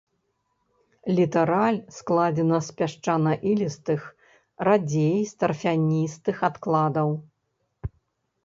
Літараль складзена з пясчана-ілістых, радзей з тарфяністых адкладаў.